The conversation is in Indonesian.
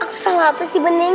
aku sama apa sih bening